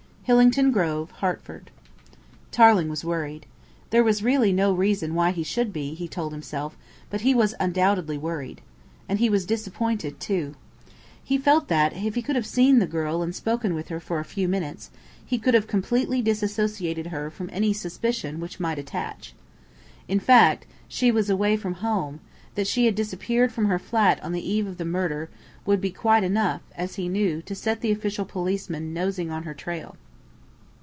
"Hillington Grove, Hertford." Tarling was worried. There was really no reason why he should be, he told himself, but he was undoubtedly worried. And he was disappointed too. He felt that, if he could have seen the girl and spoken with her for a few minutes, he could have completely disassociated her from any suspicion which might attach. In fact, that she was away from home, that she had "disappeared" from her flat on the eve of the murder, would be quite enough, as he knew, to set the official policeman nosing on her trail.